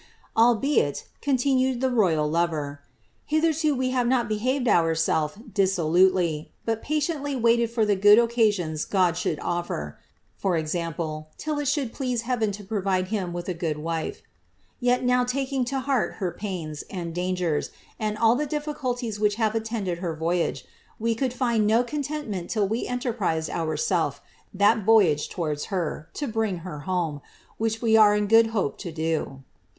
^ Albeit," continued the royal lover,* ^ hitherto, we have not behaved oorself dissolutely, but patiently waited for the good occasions God should ofier, (t. e^ till U should please heaven to provide him with a good «n/e,) yet, now taking to heart her pains, and dangers, and all the diffi culties which have attended her voyage, we could find no contentment lill we enterprised ourself that voyage towards her, to bring her home, which we are in good hope to do."